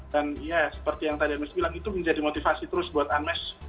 dan ya seperti yang tadi unmesh bilang itu menjadi motivasi terus buat unmesh